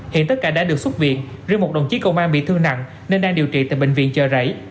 hiện tất cả đã được xuất viện riêng một đồng chí công an bị thương nặng nên đang điều trị tại bệnh viện chợ rẫy